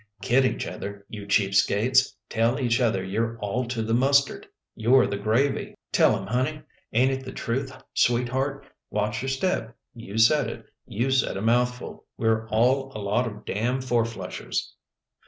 " Kid each other, you cheap skates. Tell each other you're all to the mustard You're the gravy." "Tell 'em, honey. Ain't it the truth, sweetheart? Watch your step. You said it. You said a mouthful. We're all a lot of damn fourflushers."